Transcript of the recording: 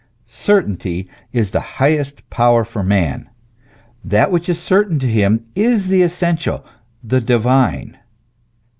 Certainty is the highest power for man ; that which is certain to him is the essential, the divine.